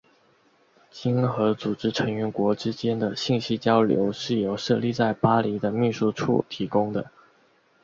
经合组织成员国之间的信息交流是由设立在巴黎的秘书处提供的。